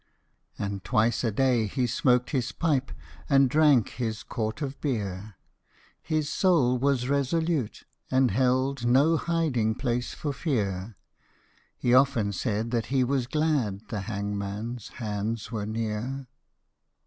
And twice a day he smoked his pipe, And drank his quart of beer: His soul was resolute, and held No hiding place for fear; He often said that he was glad The hangmanâs hands were near.